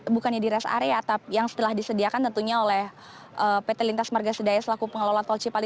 bukannya di rest area yang setelah disediakan tentunya oleh pt lintas marga sedaya selaku pengelola tol cipali